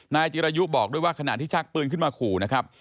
นายจิรายุบอกด้วยว่าขณะที่ชักปืนขึ้นมาขู่นะครับ